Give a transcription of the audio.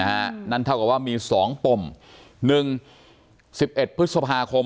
นะฮะนั่นเท่ากับว่ามีสองปมหนึ่งสิบเอ็ดพฤษภาคม